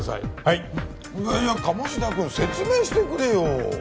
いやいや鴨志田君説明してくれよ。